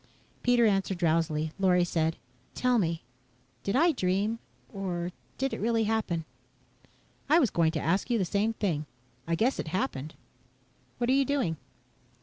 Pete answered drowsily. Lorry said, "Tell me did I dream, or did it really happen." "I was going to ask you the same thing. I guess it happened. What are you doing?"